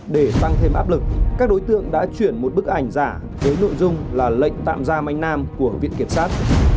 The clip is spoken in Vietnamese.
để tăng thêm áp lực các đối tượng đã chuyển một bức ảnh giả với nội dung là lệnh tạm giam anh nam của viện kiểm sát